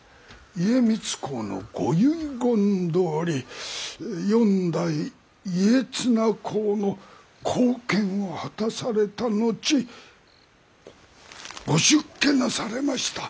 家光公の御遺言どおり四代家綱公の後見をはたされた後ご出家なされました。